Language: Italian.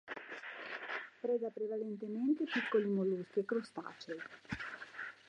Preda prevalentemente piccoli molluschi e crostacei.